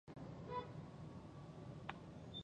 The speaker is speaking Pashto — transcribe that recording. اراده مې وکړه چې د ماښام لمونځ به په موبایل کې ثبتوم.